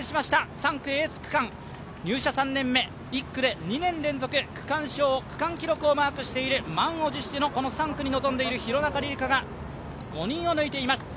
３区エース区間、入社３年目、１区で２年連続区間記録をマークしている満を持しての３区に臨んでいる廣中璃梨佳が５人を抜いています。